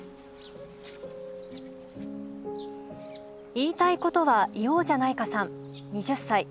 言いたいことは言おうじゃないかさん２０歳。